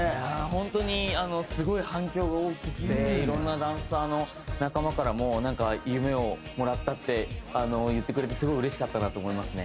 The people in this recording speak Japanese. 本当にすごい反響が大きくていろんなダンサーの仲間からもなんか「夢をもらった」って言ってくれてすごいうれしかったなと思いますね。